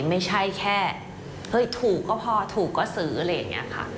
ไม่ใช่แค่เฮ้ยถูกก็พอถูกก็ซื้ออะไรอย่างนี้ค่ะ